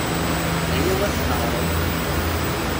Aya-w ad t-neƐreḍ.